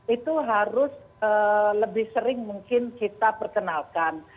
itu harus lebih sering mungkin kita perkenalkan